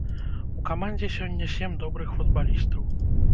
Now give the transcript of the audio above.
У камандзе сёння сем добрых футбалістаў.